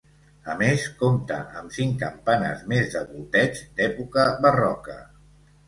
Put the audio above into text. A més compta amb cinc campanes més de volteig d'època barroca.